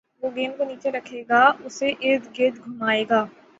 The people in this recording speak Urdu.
وہ گیند کو نیچے رکھے گا اُسے اردگرد گھمائے گا